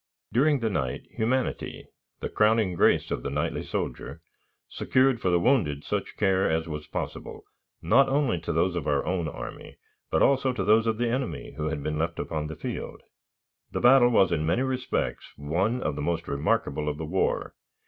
During the night, humanity, the crowning grace of the knightly soldier, secured for the wounded such care as was possible, not only to those of our own army, but also to those of the enemy who had been left upon the field. This battle was in many respects one of the most remarkable of the war.